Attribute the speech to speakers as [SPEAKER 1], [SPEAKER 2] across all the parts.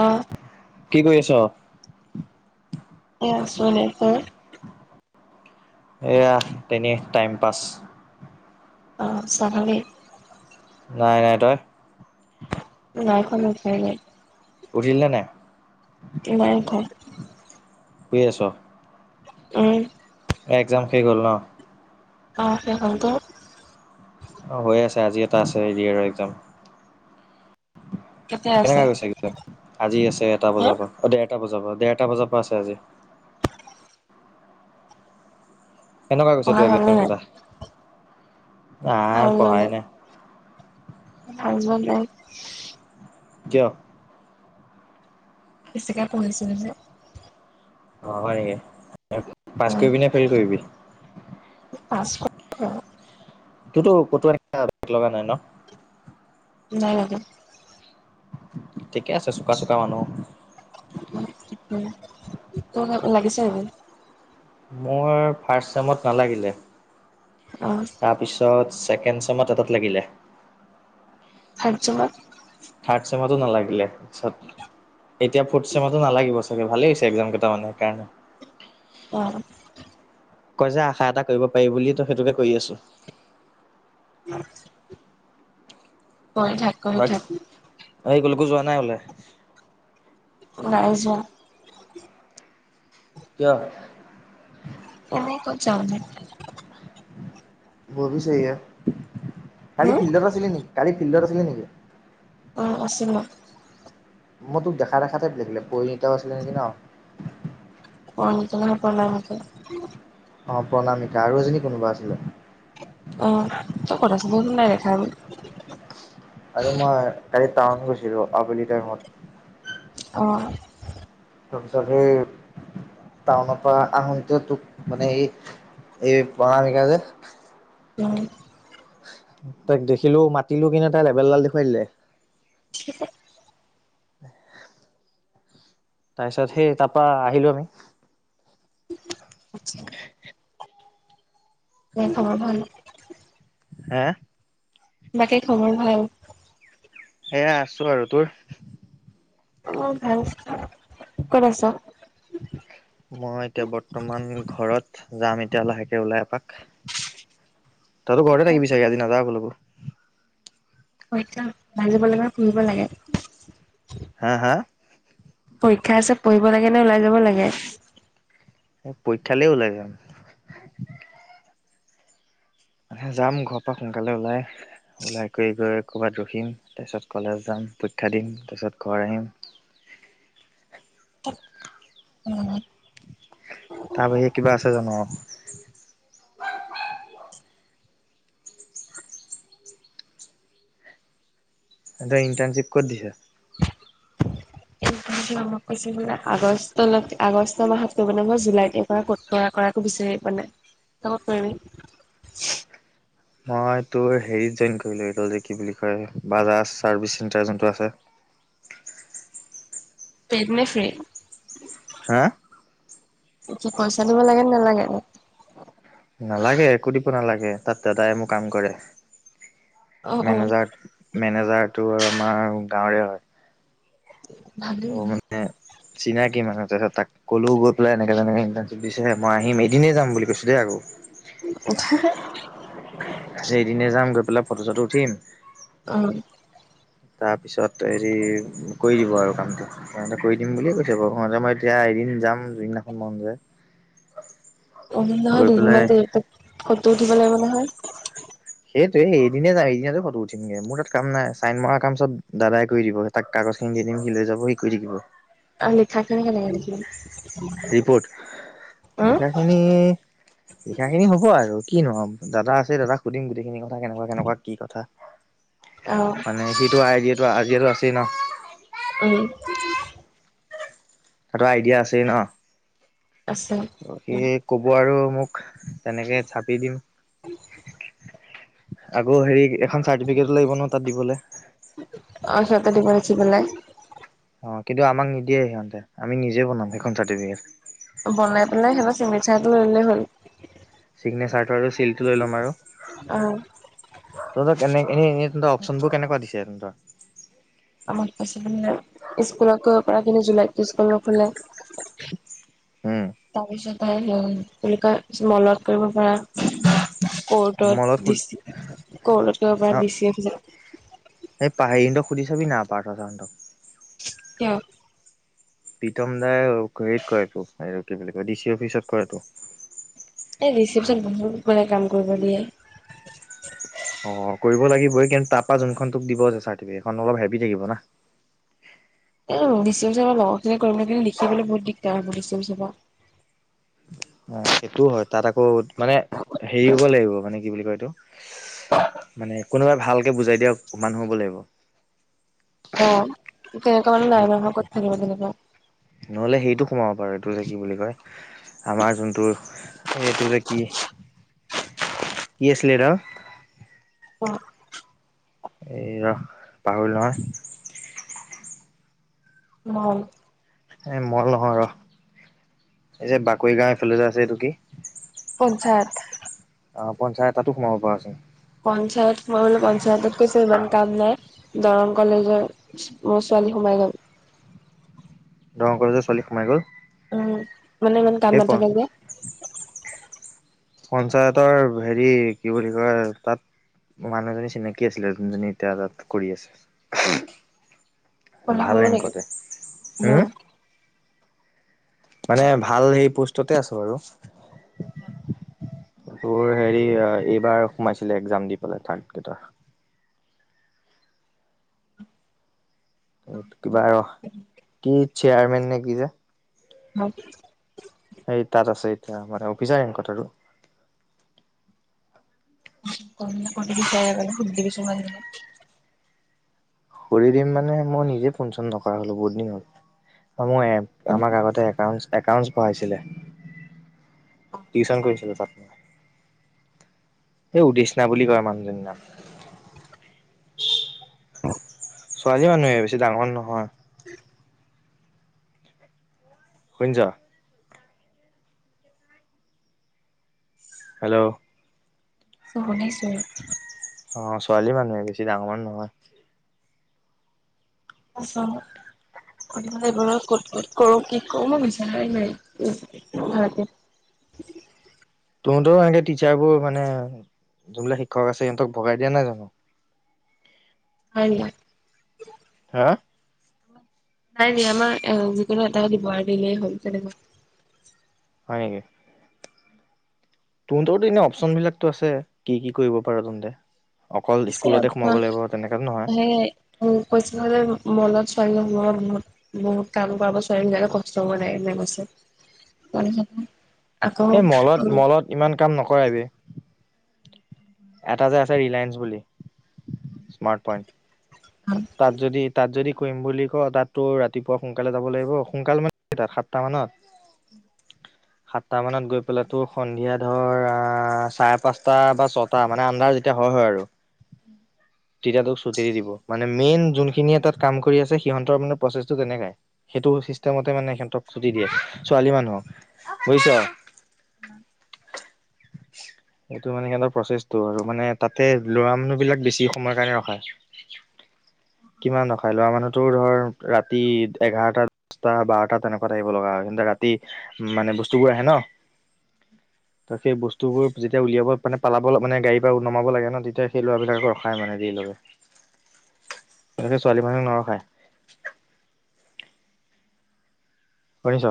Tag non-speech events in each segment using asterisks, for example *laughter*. [SPEAKER 1] অহ'।
[SPEAKER 2] কি কৰি আছ?
[SPEAKER 1] এহ আছো আনে তই।
[SPEAKER 2] সেয়া, তেনেই টাইম পাছ।
[SPEAKER 1] অহ' চাভাবিক।
[SPEAKER 2] নাই নাই তই।
[SPEAKER 1] *unintelligible*
[SPEAKER 2] উঠিলি নে নাই?
[SPEAKER 1] নাই খোৱা
[SPEAKER 2] শুই আছ?
[SPEAKER 1] উম।
[SPEAKER 2] এক্সাম শেষ হ'ল ন?
[SPEAKER 1] *unintelligible*
[SPEAKER 2] অ' হৈ আছে আজি এটা আছেৰি একজাম।
[SPEAKER 1] কেতিয়া
[SPEAKER 2] কেনেকা
[SPEAKER 1] আছে?
[SPEAKER 2] গৈছে একজাম আজি আছে এটা
[SPEAKER 1] হা
[SPEAKER 2] বজাৰ পৰা অ দেৰ এটা বজাৰ পৰা দেৰটা বজাৰ পৰা আছে আজি। এনেকুৱা কৈছ
[SPEAKER 1] পঢ়া
[SPEAKER 2] তো
[SPEAKER 1] হ'ল নে
[SPEAKER 2] একদম
[SPEAKER 1] নাই?
[SPEAKER 2] কেইটা? আহ
[SPEAKER 1] ভাল হোৱা
[SPEAKER 2] পঢ়ায় নাই।
[SPEAKER 1] ভাল ন?
[SPEAKER 2] কিয়া?
[SPEAKER 1] বেছিকাই পঢ়িছিলো যে।
[SPEAKER 2] অ' হয়য়ে। পাছ
[SPEAKER 1] মই
[SPEAKER 2] কৰিবিনে ফেইল কৰিবি?
[SPEAKER 1] পাছ
[SPEAKER 2] তোৰতো ক'তো এনেক বেগ লগা নাই ন?
[SPEAKER 1] *inaudible*
[SPEAKER 2] ঠিকে আছে চোকা চোকা মানুহ।
[SPEAKER 1] উ ত লাগিছে এইবোৰ।
[SPEAKER 2] মোৰ ফাৰ্ষট াইমত নালাগিলে,
[SPEAKER 1] অ',
[SPEAKER 2] তাৰপিছত ছেকেণ্ডছমত এটাত লাগিলে।
[SPEAKER 1] *unintelligible*
[SPEAKER 2] থাৰ্ চেমাতো নালাগিলে। এতিয়া ফৰ্থ চেমো নালাগিব চাগে ভালেই হৈছে একজাম কেইটা মানে সেইকাৰণে।
[SPEAKER 1] অ'।
[SPEAKER 2] কই যে আশা এটা কৰিব পাৰি বুলি তো সেইটোকে কৰি আছো।
[SPEAKER 1] *unintelligible* কৰি থাক কৰি
[SPEAKER 2] বাক
[SPEAKER 1] থাক
[SPEAKER 2] স গকো যোৱা নাই হলে।
[SPEAKER 1] ৰাইজৰ।
[SPEAKER 2] কিয়?
[SPEAKER 1] এনে ক'ত যাওঁ নো
[SPEAKER 2] ভৱি ছেয়া কালি
[SPEAKER 1] হম
[SPEAKER 2] ফিল্ডত আছিলি নেকি? কালি ফিল্ডত আছিলে নেকি?
[SPEAKER 1] অ' আছিলেই।
[SPEAKER 2] মই তোক দেখা দেখা লাকিলে পণিতাও আছিলে নেকি ন?
[SPEAKER 1] ফ নক ন পলাই মোক।
[SPEAKER 2] অ' প্ৰণামিকা আৰু এজনী কোনোবা আছিলে।
[SPEAKER 1] তই ক'ত আছিলি নাই দেখা।
[SPEAKER 2] আৰে মই আজি টাউন গৈছিলোঁ আবেলি টাইমত।
[SPEAKER 1] অ'।
[SPEAKER 2] তাৰ পিছত এই। টাউনৰ পৰা আহোতে তোক মানে এই এই প্ৰনামিকা যে।
[SPEAKER 1] হয়।
[SPEAKER 2] তাইক দেখিলো মাতিলো কিনে তাই লেবেলডাল দেখুৱাই দিলে।
[SPEAKER 1] *inaudible*
[SPEAKER 2] তাৰপিছত সেই তাৰপা আহিলো আমি।
[SPEAKER 1] উম। স খবৰ ভাল?
[SPEAKER 2] হে?
[SPEAKER 1] বাকী খবৰ ভাল?
[SPEAKER 2] এয়া আছো আৰু তোৰ?
[SPEAKER 1] অ, *unintelligible* ক'ত আছ?
[SPEAKER 2] মই এতিয়া বৰ্তমান ঘৰত যাম এতিয়া লাহেকে ওলাই এপাক।
[SPEAKER 1] *inaudible*
[SPEAKER 2] তইতো ঘৰতে থাকিবি চাগে আজি নাযাও কলোকো
[SPEAKER 1] পৰীক্ষা ভাল দিব লাগে নে ফুৰিব লাগে?
[SPEAKER 2] হা হা
[SPEAKER 1] পৰীক্ষা আছে পঢ়িব লাগে নে ওলাই যাব লাগে?
[SPEAKER 2] পৰীক্ষা লৈ ওলাই যাম মানে যাম ঘৰৰ পৰা সোনকালে ওলাই ওলাই কৰি গৈ ক'ৰবাত ৰখিম তাৰপিছত কলেজ যাম পৰীক্ষা দিম তাৰপিছত ঘৰ আহিম।
[SPEAKER 1] *unintelligible* উম,
[SPEAKER 2] তাৰ বাহিৰে কিবা আছে জানো? এহঁতে ইণ্টাৰনছিপ ক'ত দিছে?
[SPEAKER 1] *unintelligible* কৈছে বুলে আগষ্ট লৈ আগষ্ট মাহত কৰিব লাগিব মই জুলাইতে কৰা কতনো কৰা আক বিচাৰিয়ে মানে তই ক'ত কৰিব
[SPEAKER 2] মই তোৰ হেৰি জইন কৰিব লাগিব যে কি বুলি কয় বাজাজ সাৰ্ভিস সেন্টাৰ জুনটো আছে
[SPEAKER 1] *inaudible* পেইড মেফে।
[SPEAKER 2] হা
[SPEAKER 1] এ কি পইচা দিব লাগে নে নালাগে?
[SPEAKER 2] নালাগে একো দিব নালাগে তাত দাদাই মো কাম কৰে
[SPEAKER 1] অ অ
[SPEAKER 2] মেনেজাৰ মেনেজাৰটো আমাৰ গাঁৱৰে হয়
[SPEAKER 1] ভালেই ন?
[SPEAKER 2] চিনাকি মানুহ তাৰপিছত তাক কলেও গৈ পেলাই এনেকে যেনেকে ইণ্টাৰ্শ্বিপ দিছে মই আহিম এদিনে যাম বুলি কৈছো দেই আকৌ
[SPEAKER 1] *unintelligible*
[SPEAKER 2] এদিনে যাম গৈ পেলাই ফটো চটো উঠিম
[SPEAKER 1] অ',
[SPEAKER 2] তাৰ পিছত হেৰি কৰি দিব আৰু কামটো সিহতে কৰি দিম বুলিয়ে কৈছে বাৰু ইহতে মই এতিয়া এদিন যাম যিদিনাখন মন যায়
[SPEAKER 1] উম নহয়
[SPEAKER 2] গৈ পেলাই
[SPEAKER 1] দুদিনমান দেৰিকে ফটো উঠিব লাগিব নহয়
[SPEAKER 2] সেইটো এদিনে যাম এদিনতে ফটো উঠিমগে মোৰ তাত কাম নাই চাইন মৰাৰ কাম চত দাদাই কৰি দিব তাক কাগজ খিনি দি দিম সি লৈ যাব সি কৰি থাকিব
[SPEAKER 1] অ, লিখা কেনেকে লাগি *unintelligible*
[SPEAKER 2] ৰিপৰ্ট লিখাখিনি লিখাখিনি হ'ব আৰু কি নু অম দাদা আছে দাদাক সুধিম গোটেইখিনি কথা কেনেকুৱা কেনেকুৱা কি কথা।
[SPEAKER 1] অ
[SPEAKER 2] মানে সেইটো আইডিয়াটো আজিয়েতো আছেই ন।
[SPEAKER 1] অহ।
[SPEAKER 2] সেত আইডিয়া আছে ন।
[SPEAKER 1] আছে
[SPEAKER 2] অ সি ক'ব আৰু মোক। তেনেকে ছাপি দিম আকৌ হেৰি এখন চার্টিফিকেটো লাগব নহয় তাত দিবলে।
[SPEAKER 1] অ সিহঁতে দিব লিখি পেলাই
[SPEAKER 2] অ কিন্তু আমাক নিদিয়ে সিহতে আমি নিজে বনাম সেইখন চাৰ্টিফিকেট।
[SPEAKER 1] বনাই পেলাই সেইখন চিগনেচাৰটো লৈ ললে হ'ল।
[SPEAKER 2] চিগনেচাৰটো আৰু চিলটো লৈ ল'ম আৰু।
[SPEAKER 1] আৰু
[SPEAKER 2] তহঁতৰ এনে এনেই অপশচনবোৰ কেনেকুৱা দিছে তহঁতৰ?
[SPEAKER 1] আমাক হাই ছেকেন্দেৰিয়ক স্কুলত কৈ কৰাখিনি জুলাইত স্কুলত খোলে।
[SPEAKER 2] উম
[SPEAKER 1] তাৰপিছতে তেনেকুৱা মলত কৰিব পাৰা।
[SPEAKER 2] মলত
[SPEAKER 1] কৰ্টত ডি
[SPEAKER 2] সুধ
[SPEAKER 1] চি কৰ্টত কৰিব পৰা ডিচি অফিচ।
[SPEAKER 2] এ পাহেন্দক সুধি চাবি না পাৰ্থ ছাৰহনতক
[SPEAKER 1] কিয়?
[SPEAKER 2] প্ৰীতম দাই হেৰিত কৰেতো আৰু কি বুলি কয় ডিচি অফিচত কৰেতো।
[SPEAKER 1] এই ৰিচিপশচন বহুত মানে কাম কৰিব দিয়ে।
[SPEAKER 2] অ', কৰিব লাগিবই কিন্তু তাৰপা যোনখন তোক দিব যে চাৰ্টিফিকেট খন অলপ হেভি থাকিব না।
[SPEAKER 1] *inaudible* ডিচি অফিচত আমাৰ লগৰখিনিয়ে কৰে লিখিবলৈ বহুত দিগদাৰ হয়
[SPEAKER 2] অ' সেইটো হয় তাত আকৌ মানে হেৰি হ'ব লাগিব, মানে কি বুলি কয় এইটো মানে কোনোবাই ভালকে বুজাই দিয়া মানুহ হ'ব লাগিব।
[SPEAKER 1] অ' তেনেকোৱা মানুহ নাই নহয়, ক'ত থাকিব তেনেকুৱা?
[SPEAKER 2] নহ'লে সেইটো সোমাব পাৰো এইটো যে কি বুলি কয় আমাৰ যোনটো এইটো যে কি কি আছিলে এইদাল
[SPEAKER 1] অ',
[SPEAKER 2] এই ৰহ পাহৰিলোঁ নহয়।
[SPEAKER 1] উম
[SPEAKER 2] এ মল নহয় ৰ, এই যে বাকৰি গাওঁ এইফালে যে আছে এইটো কি?
[SPEAKER 1] পঞ্চায়ত।
[SPEAKER 2] অ' পঞ্চায়ত তাতো সোমাব পাৰ চোন।
[SPEAKER 1] পঞ্চায়ত, মই বোলো পঞ্চায়তত কৈছো ইমান কাম নাই দৰং কলেজৰ কালি সোমাই গ'ল।
[SPEAKER 2] দৰং কলেজৰ ছোৱালী সোমাই গ'ল।
[SPEAKER 1] উ মানে ইমান কাম
[SPEAKER 2] সেই
[SPEAKER 1] নাথাকে যে।
[SPEAKER 2] পঞ্চায়তৰ হেৰি কি বুলি কয়, তাত মানুহ এজনী চিনাকি আছিলে যোননজনী এতিয়া তাত কৰি আছে।
[SPEAKER 1] কলে
[SPEAKER 2] ভাল
[SPEAKER 1] হ'ব নেকি
[SPEAKER 2] ৰেংকতে। হম
[SPEAKER 1] উম
[SPEAKER 2] মানে ভাল সেই পোষ্টতে আছোঁ বাৰু।
[SPEAKER 1] হয়।
[SPEAKER 2] তোৰ হেৰি এইবাৰ সোমাইছিলে এক্জাম দি পেলাই থাৰ্ড গ্ৰ্যেডৰ। এই কিবা আৰু কি চেয়াৰমেন নে কি যে?
[SPEAKER 1] অ'
[SPEAKER 2] সেই তাত আছে এতিয়া মানে অফিচাৰ ৰেংকত আৰু
[SPEAKER 1] *unintelligible*
[SPEAKER 2] কৰি দিম মানে মই নিজে ফোন-চোন নকৰা হলোঁ বহুত দিন হ'ল। হয় মই আমাক আগতে একাউট একাউণ্টছ পঢ়াইছিলে। টিউচন কৰিছিলোঁ তাত। সেই উদেশনা বুলি কয় মানুহজনীৰ নাম। ছোৱালী মানুহে বেছি ডাঙৰ নহয়।
[SPEAKER 1] *inaudible*
[SPEAKER 2] শুনিছ? হেল্ল'
[SPEAKER 1] শুনিছোঁ
[SPEAKER 2] অ', ছোৱালী মানুহে, বেছি ডাঙৰ মানুহ নহয়।
[SPEAKER 1] আছা *unintelligible* *inaudible*
[SPEAKER 2] তহতৰো সেনেকে টিচাৰবোৰ মানে যোনবিলাক শিক্ষক আছে, সিহঁতক ভগাই দিয়া নাই জানো?
[SPEAKER 1] হয় নি
[SPEAKER 2] হাঁ?
[SPEAKER 1] নাই নাই আমাৰ যিকোনো এটা দিব আৰু দিলেই হ'ল তেনেকুৱা।
[SPEAKER 2] হয় নেকি? তহঁতৰো এনে অপচন বিলাকো আছে কি কি কৰিব পাৰ তহঁতে
[SPEAKER 1] *unintelligible*
[SPEAKER 2] নহয়
[SPEAKER 1] ছোৱালী বহুত বহুত কাম কৰিব ছোৱালীবিলাকে কষ্ট কৰিব নালাগে এনেকে কৈছে *unintelligible*
[SPEAKER 2] এই মলত মলত ইমান কাম নকৰাই বে এটা যে আছে ৰিলায়েন্স বুলি স্মাৰ্টপইন তাত যদি তাত যদি কৰিম বুলি কওঁ তাত তোৰ ৰাতিপুৱা সোনকালে যাব লাগিব, সোনকাল মানে তাত সাতটা মানত।
[SPEAKER 1] *inaudible*
[SPEAKER 2] সাতটা মানত গৈ পেলাই তোৰ সন্ধিয়া ধৰ আঁ চাৰে পাঁচটা বা ছটা মানে আন্ধাৰ যেতিয়া হব হয় হয় আৰু
[SPEAKER 1] উম
[SPEAKER 2] তেতিয়া তোক ছুটি দিব মানে মেইন যোনখিনিয়ে তাত কাম কৰি আছে সিহঁতৰ মানে প্ৰচেছটো তেনেকাই সেইটো চিষ্টেমতে মানে সিহঁতক ছুটি দিয়ে ছোৱালী মানুহক বুজিছ
[SPEAKER 1] উম
[SPEAKER 2] এইটো মানে সিহঁতৰ প্ৰচেছতটো আৰু মানে তাতে ল'ৰা মানুহ বিলাক বেছি সময় কাৰণে ৰখাই কিমান নখাই লোৱা মানুহতো ধৰ ৰাতি এঘাৰটা দশটা বাৰটা তেনেকুৱা আহিব লগা হয় তে ৰাতি উ মানে বস্তুবোৰ আহে ন
[SPEAKER 1] *inaudible*
[SPEAKER 2] ত সেই বস্তুবোৰ যেতিয়া উলিয়াব মান পাব মানে গাড়ী পৰা নমাব লাগে ন তেতিয়া সেই ল'ৰাবিলাকৰ খাই মানে দি ললে এনেকে ছোৱালী মানুহক নৰখায় শুনিছ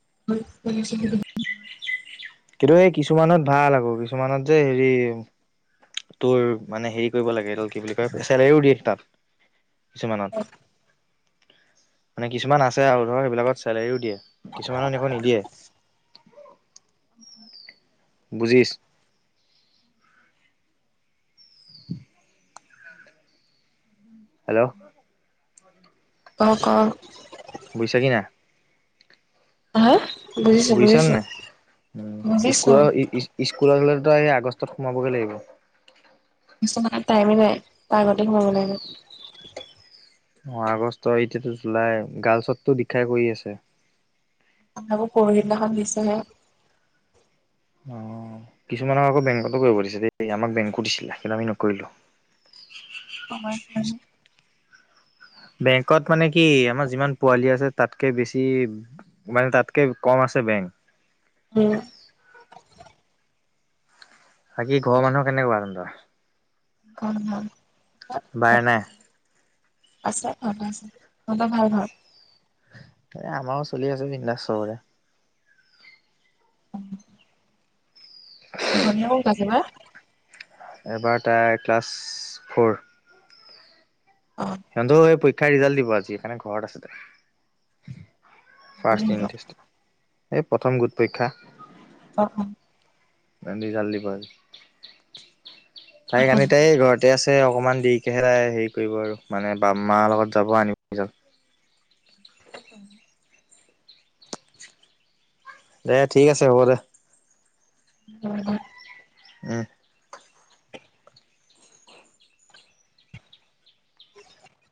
[SPEAKER 1] *unintelligible*
[SPEAKER 2] কিন্তু এই কিছুমানত ভাল আকৌ কিছুমানত যে হেৰি তোৰ মানে হেৰি কৰিব লাগে এইডাল কি বুলি কয় চেলেও দিশ তাত। কিছুমানত মানে কিছুমান আছে আৰু ধৰক সেইবিলাকত চেলেৰিও দিয়ে কিছুমানে একো নিদিয়ে
[SPEAKER 1] *inaudible*
[SPEAKER 2] বুজি *inaudible* হেল্ল'
[SPEAKER 1] অ', ক
[SPEAKER 2] বুজিছা কি নাই
[SPEAKER 1] হাঁ
[SPEAKER 2] বুজিছ নাই
[SPEAKER 1] বুজিছো
[SPEAKER 2] ইস্কুল ইস্কুলে স আগষ্টত সোমাবগৈ লাগিব
[SPEAKER 1] টাইমেই নাই তাৰ আগতে সোমাব লাগে
[SPEAKER 2] অ' আগষ্ট এতিয়ো জুলাই গাৰ্লছতটো দীক্ষাই কৰি আছে
[SPEAKER 1] আকো পৰহিদিনাখন দিছেহে
[SPEAKER 2] অ' কিছুমানক আকৌ বেংকতো কৰিব দিছে দেই আমাক বেংকো দিছিলে কিন্ত আমি নকৰিলো
[SPEAKER 1] উম
[SPEAKER 2] বেংকত মানে কি আমাৰ যিমান পোৱালি আছে তাতকে বেছি মানে তাতকে কম আছে *unintelligible*
[SPEAKER 1] উম
[SPEAKER 2] বাকী ঘৰৰ মানুহ কেনেকোৱা তহতৰ
[SPEAKER 1] *unintelligible* আছে
[SPEAKER 2] নাই?
[SPEAKER 1] ভালে আছে তহঁতৰ ভাল ঘৰত
[SPEAKER 2] এই আমাৰও চলি আছে বিন্দাচ চবৰে
[SPEAKER 1] ধন কত পাছি বা
[SPEAKER 2] এবাৰ তাই ক্লাছ ফ'ৰ সিহতও এই পৰীক্ষা ৰিজাল্ট দিব আজি সেইকাৰণে ঘৰত আছে ফাৰ্ষ এই প্ৰথম গোট পৰীক্ষা
[SPEAKER 1] আহ অ'।
[SPEAKER 2] ৰান্ধি জাল দিব আৰু তাই আমি তাই ঘৰতে আছ। অকণমান দেৰিকেহে তাই হেৰি কৰিব আৰু মানে বা মাৰ লগত যাব আন *unintelligible*
[SPEAKER 1] *unintelligible*
[SPEAKER 2] দে ঠিক আছে হ'ব দে।
[SPEAKER 1] হয়।
[SPEAKER 2] উম।